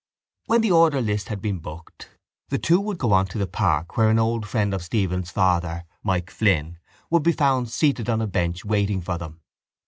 When the order list had been booked the two would go on to the park where an old friend of Stephen's father, Mike Flynn, would be found seated on a bench, waiting for them.